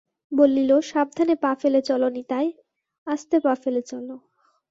বলিল, সাবধানে পা ফেলে চলো নিতাই, আন্তে পা ফেলে চলো।